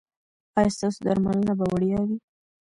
ایا ستاسو درملنه به وړیا وي؟